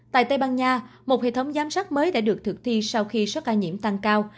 tại tây ban nha một hệ thống giám sát mới đã được thực thi sau khi số ca nhiễm tăng cao